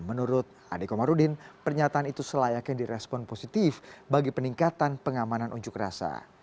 menurut ade komarudin pernyataan itu selayaknya direspon positif bagi peningkatan pengamanan unjuk rasa